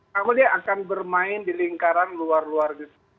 kamu lihat akan bermain di lingkaran luar luar